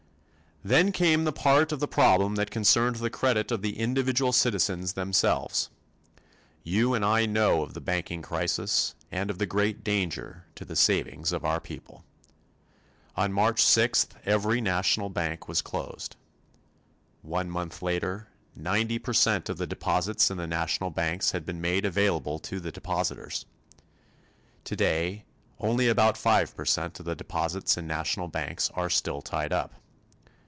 Then came the part of the problem that concerned the credit of the individual citizens themselves. You and I know of the banking crisis and of the great danger to the savings of our people. On March sixth every national bank was closed. One month later 90 percent of the deposits in the national banks had been made available to the depositors. Today only about 5 percent of the deposits in national banks are still tied up.